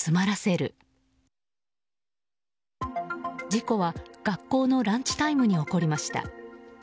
事故は学校のランチタイムに起こりました。